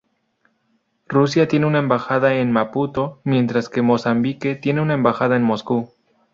Rusia tiene una embajada en Maputo, mientras que Mozambique tiene una embajada en Moscú.